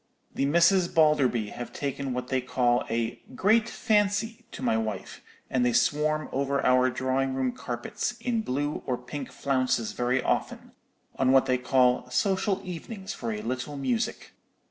The Misses Balderby have taken what they call a 'great fancy' to my wife, and they swarm over our drawing room carpets in blue or pink flounces very often, on what they call 'social evenings for a little music.'